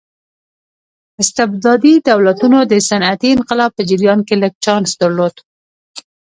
استبدادي دولتونو د صنعتي انقلاب په جریان کې لږ چانس درلود.